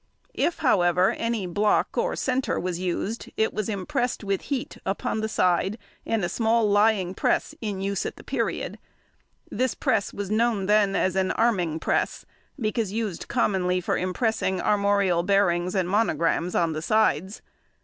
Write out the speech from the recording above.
If, however, any block or centre |117| was used, it was impressed with heat upon the side in a small lying press in use at the period. This press was known then as an arming press, because used commonly for impressing armorial bearings and monograms on the sides.